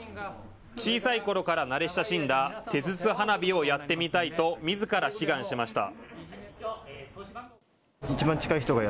小さいころから慣れ親しんだ手筒花火をやってみたいとみずから志願しました。